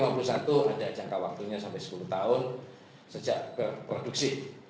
sampai lima puluh satu ada jangka waktunya sampai sepuluh tahun sejak berproduksi